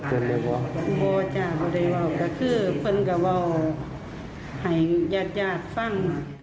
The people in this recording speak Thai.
เป็นคนไข้ในพระบรมราชานุเคราะห์ครับ